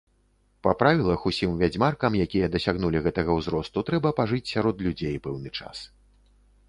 Па правілах усім вядзьмаркам, якія дасягнулі гэтага ўзросту, трэба пажыць сярод людзей пэўны час.